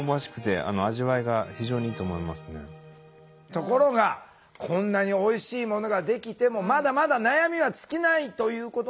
ところがこんなにおいしいものができてもまだまだ悩みは尽きないということなんですよねあずみん。